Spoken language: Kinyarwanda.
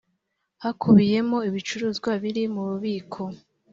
hakubiyemo ibicuruzwa biri mu bubiko